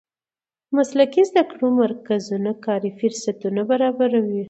د مسلکي زده کړو مرکزونه کاري فرصتونه برابروي.